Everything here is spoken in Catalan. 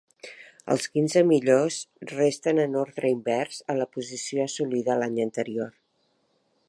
Els quinze millors resten en ordre invers a la posició assolida l'any anterior.